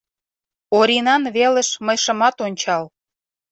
Оринан велыш мый шымат ончал.